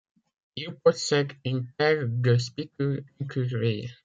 Il possède une paire de spicules incurvés.